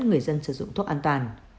người dân sử dụng thuốc an toàn